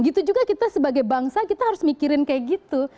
gitu juga kita sebagai bangsa kita harus mikirin kayak gitu